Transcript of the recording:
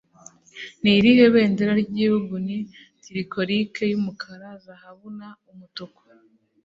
Ni irihe bendera ryigihugu ni Tricolorike Yumukara, Zahabu na Umutuku?